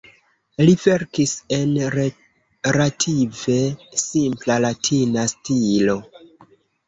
Li verkis en relative simpla latina stilo.